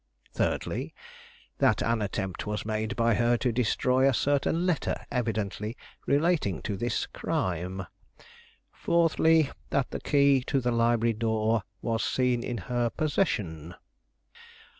"Thirdly, that an attempt was made by her to destroy a certain letter evidently relating to this crime. "Fourthly, that the key to the library door was seen in her possession.